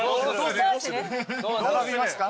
並びますか？